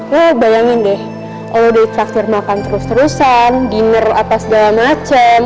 lo bayangin deh olo udah di traktir makan terus terusan diner apa segala macem